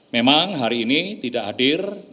memang hari ini tidak hadir